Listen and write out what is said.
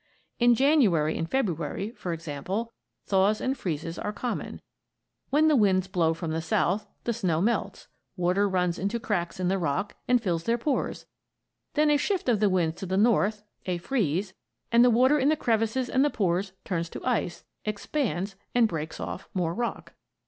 In January and February, for example, thaws and freezes are common. When the winds blow from the south, the snow melts, water runs into cracks in the rock and fills their pores; then a shift of the winds to the north, a freeze, and the water in the crevices and the pores turns to ice, expands, and breaks off more rock.